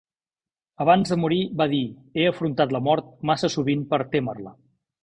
Abans de morir, va dir: he afrontat la mort massa sovint per témer-la.